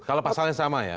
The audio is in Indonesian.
kalau pasalnya sama ya